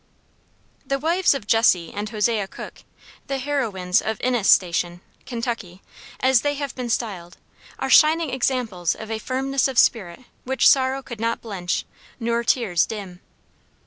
The wives of Jesse and Hosea Cook, the "heroines of Innis station" (Kentucky), as they have been styled, are shining examples of a firmness of spirit which sorrow could not blench nor tears dim.